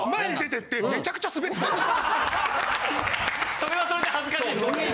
・それはそれで恥ずかしいよ